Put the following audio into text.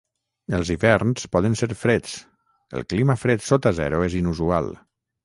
Els hiverns poden ser freds, El clima fred sota zero és inusual.